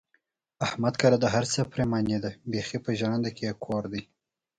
احمد کره د هر څه پرېماني ده، بیخي په ژرنده کې یې کور دی.